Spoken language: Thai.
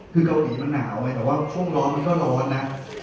คือเกาหลีมันหนาวไงแต่ว่าห้องร้อนมันก็ร้อนนะ